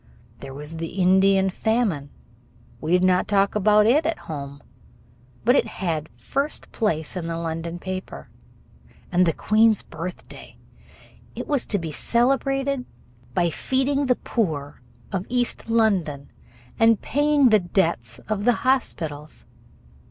There was the Indian famine We did not talk about it at home, but it had first place in the London paper. And the Queen's birthday, it was to be celebrated by feeding the poor of East London and paying the debts of the hospitals.